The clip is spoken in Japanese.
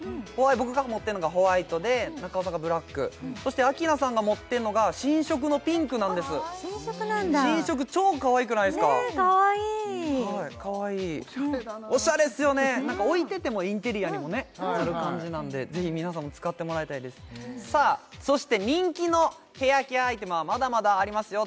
僕が持ってるのがホワイトで中尾さんがブラックそして明奈さんが持ってるのが新色のピンクなんです新色なんだ新色超かわいくないですかねえかわいいオシャレだなオシャレっすよね何か置いててもインテリアにもねなる感じなんでぜひ皆さんも使ってもらいたいですさあそして人気のヘアケアアイテムはまだまだありますよ